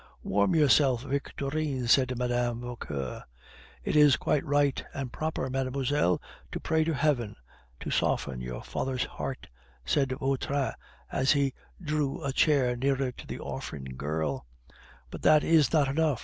"Warm yourself, Victorine," said Mme. Vauquer. "It is quite right and proper, mademoiselle, to pray to Heaven to soften your father's heart," said Vautrin, as he drew a chair nearer to the orphan girl; "but that is not enough.